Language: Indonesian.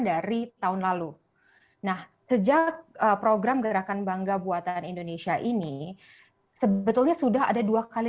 dari tahun lalu nah sejak program gerakan bangga buatan indonesia ini sebetulnya sudah ada dua kali